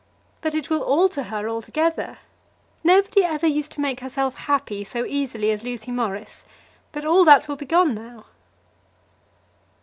But it will alter her altogether. Nobody ever used to make herself happy so easily as Lucy Morris; but all that will be gone now."